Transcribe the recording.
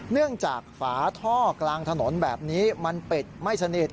เนื่องจากฝาท่อกลางถนนแบบนี้มันปิดไม่สนิท